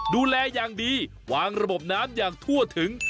ดูแลอย่างดีวางระบบน้ำอย่างทั่วถึง